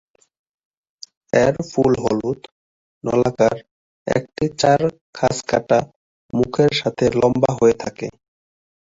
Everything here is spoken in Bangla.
এর ফুল হলুদ, নলাকার, একটি চার খাঁজকাটা মুখের সাথে লম্বা হয়ে থাকে।